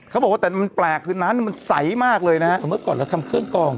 เขาบอกว่าแต่มันแปลกคือน้ำมันใสมากเลยนะฮะเมื่อก่อนเราทำเครื่องกอง